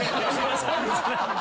そうですね。